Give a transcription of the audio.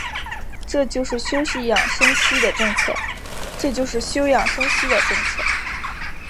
这就是休养生息的政策。